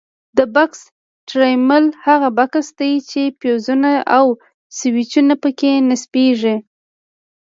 د بکس ټرمینل هغه بکس دی چې فیوزونه او سویچونه پکې نصبیږي.